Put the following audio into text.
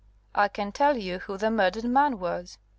"I can tell you who the murdered man was."